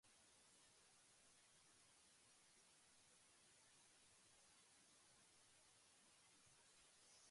広場を進み、円形のベンチを通りすぎ、大きな欅の木を越えると、ベージュ色をした四角い建物が目に入る